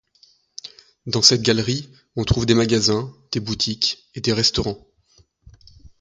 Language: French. Dans cette galerie, on trouve des magasins, des boutiques et des restaurants.